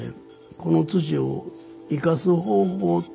この土を生かす方法